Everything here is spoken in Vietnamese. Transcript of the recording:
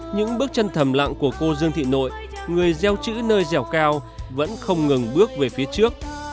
những bước chân thầm lặng của cô dương thị nội người gieo chữ nơi dẻo cao vẫn không ngừng bước về phía trước